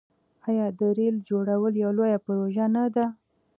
آیا د ریل جوړول یوه لویه پروژه نه وه؟